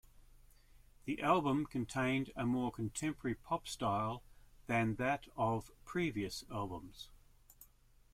The album contained a more contemporary pop style than that of previous albums.